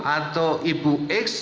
atau ibu x